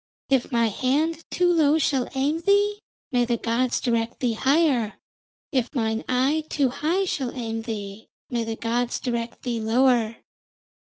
If my hand too low shall aim thee, may the gods direct thee higher. If mine eye too high shall aim thee, may the gods direct thee lower.'